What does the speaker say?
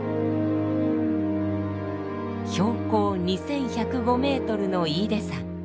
標高２，１０５メートルの飯豊山。